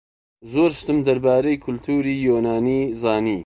زۆر شتم دەربارەی کولتووری یۆنانی زانی.